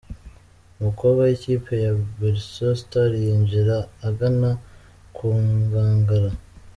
Umukobwa w’ikipe ya Berco Star yinjira agana ku nkangara.